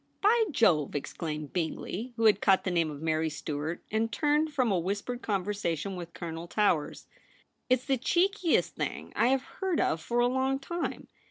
* By Jove !' exclaimed Bingley, who had caught the name of Mary Stuart, and turned from a whispered conversation with Colonel Towers. ' It's the cheekiest thing I have heard of for a long time.